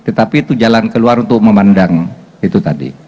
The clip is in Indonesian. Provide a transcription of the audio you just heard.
tetapi itu jalan keluar untuk memandang itu tadi